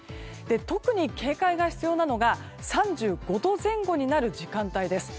特に警戒が必要なのが３５度前後になる時間帯です。